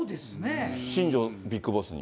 新庄ビッグボスに。